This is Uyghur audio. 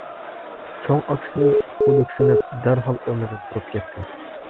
چوڭ ئاكىسى خۇدۈكسىنىپ دەرھال ئورنىدىن تۇرۇپ كەتتى.